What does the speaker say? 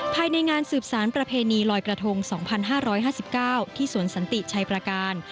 ภายในงานสืบสารประเพณีลอยกระทง๒๕๕๙ที่สวนสันติชัยประการ